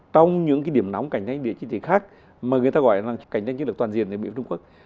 trong những cái điểm nóng cạnh tranh để chiến trị khác mà người ta gọi là cạnh tranh chiến lược toàn diện giữa mỹ và trung quốc